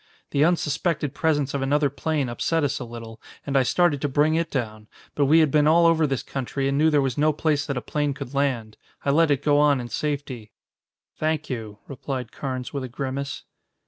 The unsuspected presence of another plane upset us a little, and I started to bring it down. But we had been all over this country and knew there was no place that a plane could land. I let it go on in safety." "Thank you," replied Carnes with a grimace.